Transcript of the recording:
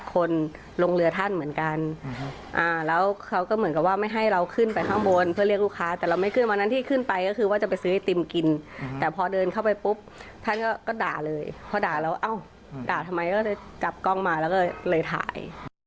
พอด่าแล้วเอ้าด่าทำไมก็กลับกล้องมาแล้วก็เลยถ่าย